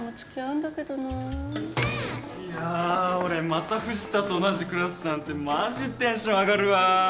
いや俺また藤田と同じクラスなんてマジテンション上がるわ。